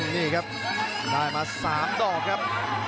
นี่ครับได้มา๓ดอกครับ